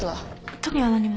特には何も。